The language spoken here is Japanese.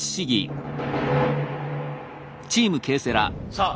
さあ